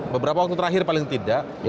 beberapa waktu terakhir paling tidak